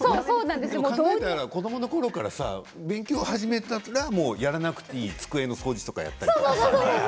考えたら子どものころから勉強を始めたら、やらなくていい机の掃除とかやったり。